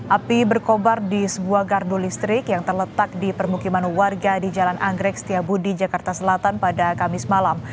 api berkobar di sebuah gardu listrik yang terletak di permukiman warga di jalan anggrek setiabudi jakarta selatan pada kamis malam